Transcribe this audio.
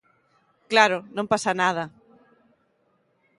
Claro, non pasa nada.